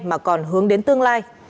mà còn hướng đến tương lai